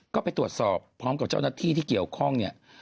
ก็ไปตรวจสอบพร้อมกับเจ้าหน้าที่ที่เกี่ยวข้องเนี่ย